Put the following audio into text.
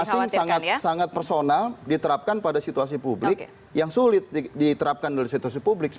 asing sangat sangat personal diterapkan pada situasi publik yang sulit diterapkan dari situasi publik